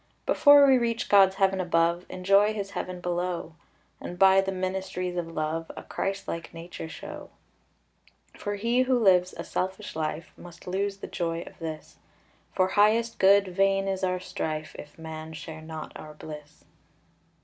Before we reach God's heaven above, Enjoy His heaven below; And by the ministries of love A Christlike nature show; For he who lives a selfish life Must lose the joy of this; For highest good, vain is our strife, If man share not our bliss.